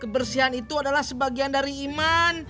kebersihan itu adalah sebagian dari iman